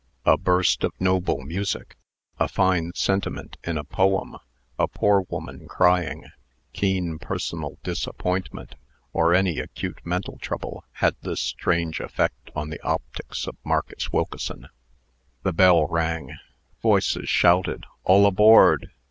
A burst of noble music, a fine sentiment in a poem, a poor woman crying, keen personal disappointment, or any acute mental trouble, had this strange effect on the optics of Marcus Wilkeson. The bell rang; voices shouted, "All aboard!"